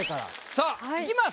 さあいきます。